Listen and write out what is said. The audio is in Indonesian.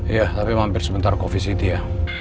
ya tapi mampir sebentar kofisiti ya